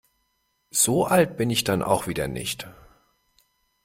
So alt bin ich dann auch wieder nicht.